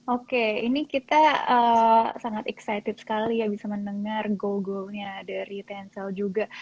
oke ini kita sangat excited sekali ya bisa mendengar goal goalnya dari tensel juga